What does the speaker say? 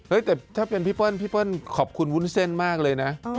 แต่ถ้าเป็นพี่เปิ้ลพี่เปิ้ลขอบคุณวุ้นเส้นมากเลยนะ